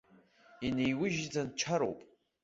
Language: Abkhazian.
Инеиужьӡан чароуп.